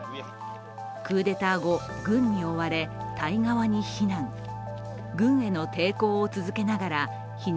クーデター後、軍に追われタイ側に避難。